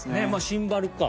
シンバルか。